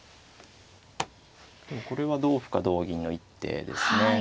でもこれは同歩か同銀の一手ですね。